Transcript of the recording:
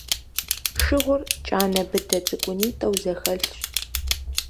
Шыгъур кӀанэ быдэ цӀыкӀунитӀэу зэхэлъщ.